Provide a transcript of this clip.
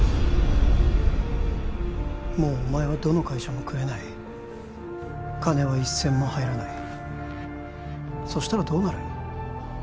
もうお前はどの会社も喰えない金は一銭も入らないそしたらどうなる？